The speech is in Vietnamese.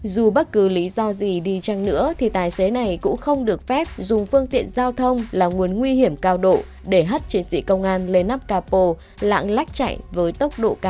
dù bất cứ lý do gì đi chăng nữa thì tài xế này cũng không được phép dùng phương tiện giao thông là nguồn nguy hiểm cao độ để hắt chiến sĩ công an lên nắp capo lạng lách chạy với tốc độ cao